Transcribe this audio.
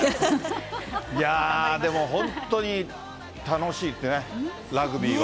いやぁ、でも、本当に楽しいですね、ラグビーは。